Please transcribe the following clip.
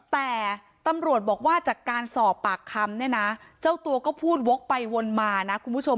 แต่ตำรวจบอกว่าจากการสอบปากคำเนี่ยนะเจ้าตัวก็พูดวกไปวนมานะคุณผู้ชม